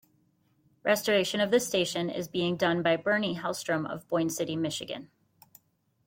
Restoration of the station is being done by Bernie Hellstrom of Boyne City, Michigan.